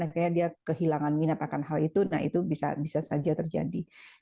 akhirnya dia kehilangan minat akan hal itu nah itu bisa saja terjadi